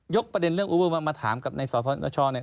ยกประเด็นเรื่องอูเบอร์มาถามกับในสนช